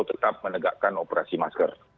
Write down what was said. tetap menegakkan operasi masker